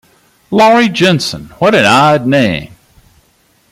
Laurie Jenson, — what an odd name!